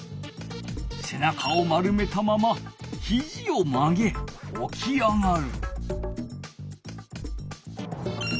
せなかを丸めたままひじをまげおき上がる。